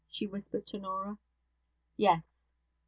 she whispered to Norah. 'Yes.'